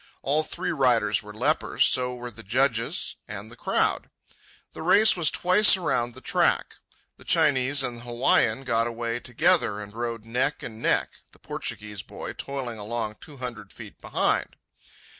All three riders were lepers; so were the judges and the crowd. The race was twice around the track. The Chinese and the Hawaiian got away together and rode neck and neck, the Portuguese boy toiling along two hundred feet behind.